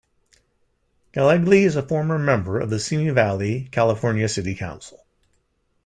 Gallegly is a former member of the Simi Valley, California City Council.